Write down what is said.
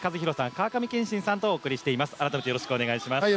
川上憲伸さんでお送りしております。